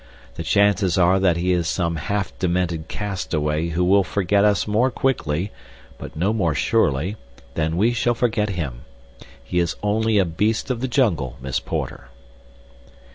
The chances are that he is some half demented castaway who will forget us more quickly, but no more surely, than we shall forget him. He is only a beast of the jungle, Miss Porter."